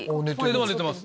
寝てます。